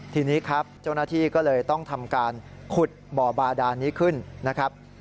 ทีนี้ครับเจ้าหน้าที่ก็เลยต้องทำการขุดบ่อบาดานนี้ขึ้นนะครับ